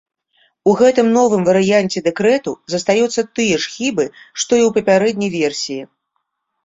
У гэтым новым варыянце дэкрэту застаюцца тыя ж хібы, што і ў папярэдняй версіі.